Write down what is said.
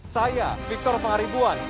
saya victor pengaribuan